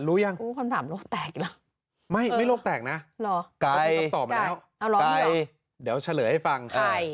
รู้หรือยัง